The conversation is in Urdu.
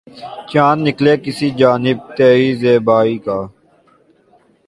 چاند نکلے کسی جانب تری زیبائی کا